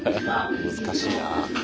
難しいなぁ。